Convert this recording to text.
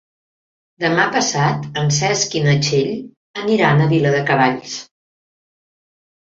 Demà passat en Cesc i na Txell aniran a Viladecavalls.